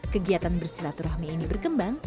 kegiatan bersilaturahmi ini berkembang